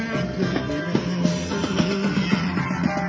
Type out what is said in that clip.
สวัสดีครับทุกคน